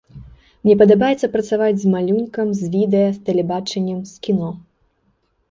Мне падабаецца працаваць з малюнкам, з відэа, з тэлебачаннем, з кіно.